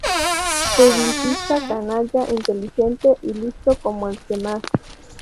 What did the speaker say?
Publicista, canalla, inteligente y listo como el que más.